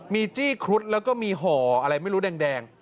มีจี้ครุฑแล้วก็มีห่ออะไรไม่รู้แดง